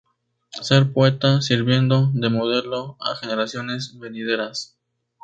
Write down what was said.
Ser poeta, sirviendo de modelo a generaciones venideras.